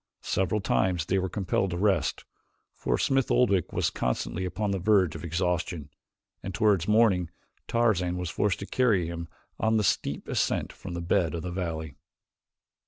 Several times they were compelled to rest, for Smith Oldwick was constantly upon the verge of exhaustion, and toward morning Tarzan was forced to carry him on the steep ascent from the bed of the valley.